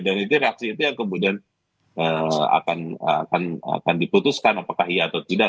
dan itu reaksi itu yang kemudian akan diputuskan apakah iya atau tidak